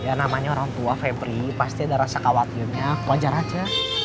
ya namanya orang tua febri pasti ada rasa khawatirnya wajar aja